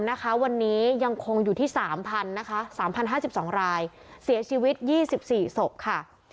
นะคะวันนี้ยังคงอยู่ที่๓๐๐นะคะ๓๐๕๒รายเสียชีวิต๒๔ศพค่ะ